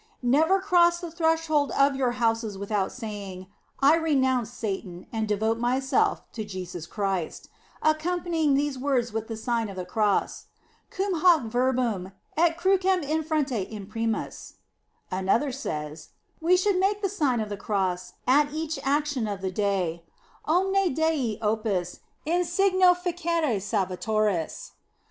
45 Never cross the threshold of your houses without saying, / renounce Satan, and devote myself to Jesus Christ; accompanying these words with the Sign of the Cross: cum hoc verbo et crucem in fronte imprimas* Another says: "We should make the Sign of the Cross at each action of the day, Omne diei opus in signo facere Salvatoris."